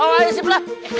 bawa aja si belah